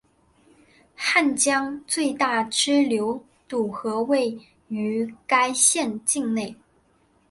汉江最大支流堵河位于该县境内。